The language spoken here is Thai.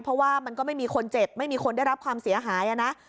เพราะว่ามันก็ไม่มีคนเจ็บไม่มีคนได้รับความเสียหายนะ